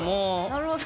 なるほど。